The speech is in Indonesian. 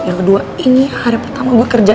yang kedua ini hari pertama gue kerja